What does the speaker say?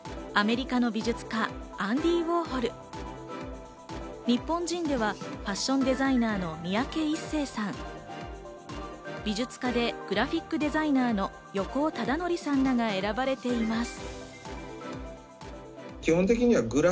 アメリカの美術家、アンディ・ウォーホル、日本人ではファッションデザイナーの三宅一生さん、美術家でグラフィックデザイナーの横尾忠則さんらが選ばれています。